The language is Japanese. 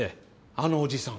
あのおじさん。